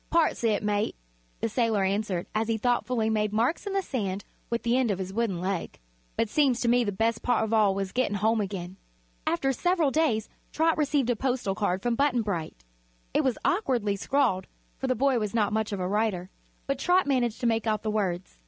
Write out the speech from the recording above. "Parts o' it, mate," the sailor answered, as he thoughtfully made marks in the sand with the end of his wooden leg; "but seems to me the bes' part of all was gett'n' home again." After several days Trot received a postal card from Button Bright. It was awkwardly scrawled, for the boy was not much of a writer, but Trot managed to make out the words.